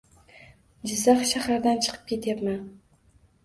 Jizzax shahardan chiqib ketyapman.